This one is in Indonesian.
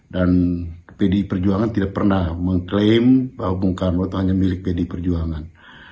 dan pdi perjuangan tidak pernah mengklaim bahwa bung karno itu hanya milik pdi perjuangan